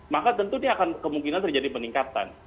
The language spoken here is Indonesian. maka tentu dia akan kemungkinan terjadi peningkatan